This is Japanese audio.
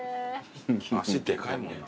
足でかいもんな。